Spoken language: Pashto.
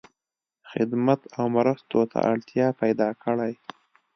خدمت او مرستو ته اړتیا پیدا کړی.